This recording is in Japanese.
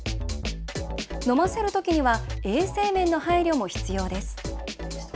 飲ませるときには衛生面の配慮も必要です。